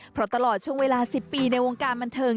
เพราะตลอดช่วงเวลา๑๐ปีในวงการบันเทิง